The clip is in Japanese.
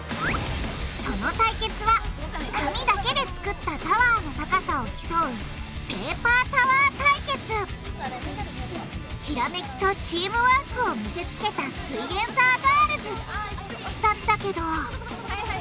その対決は紙だけで作ったタワーの高さを競うひらめきとチームワークを見せつけたすイエんサーガールズ！だったけど。